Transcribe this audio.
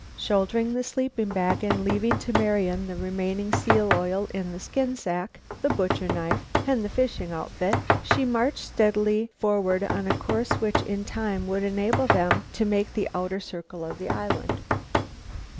Shouldering the sleeping bag, and leaving to Marian the remaining seal oil in the skin sack, the butcher knife, and the fishing outfit, she marched steadily forward on a course which in time would enable them to make the outer circle of the island.